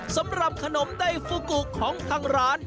สำหรับขนมไดฟูกุของทางร้าน